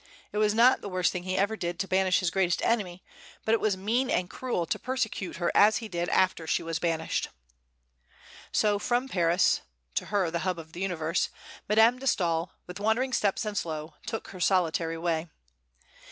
It was not the worst thing he ever did to banish his greatest enemy; but it was mean and cruel to persecute her as he did after she was banished. So from Paris to her the "hub of the universe" Madame de Staël, "with wandering steps and slow, took her solitary way."